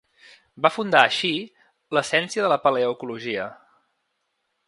Va fundar, així, la ciència de la paleoecologia.